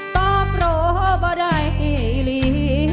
ตอบรบได้อีหลี